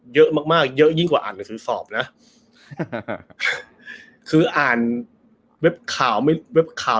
เยอะมากมากเยอะยิ่งกว่าอ่านวิศวิสอบนะคืออ่านเว็บข่าว